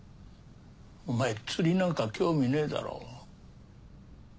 お前釣りなんか興味ねえだろ。